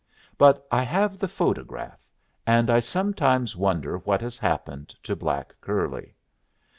But I have the photograph, and I sometimes wonder what has happened to black curly.